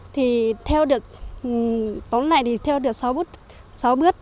thì theo được tóm lại thì theo được sáu bước